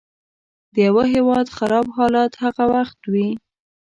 د یوه هیواد خراب حالت هغه وخت وي.